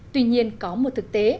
tuy nhiên có một thực tế